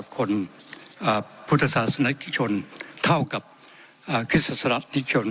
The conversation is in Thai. คนพุทธศาสตร์สนัทชนเท่ากับคริสต์ศนัทชน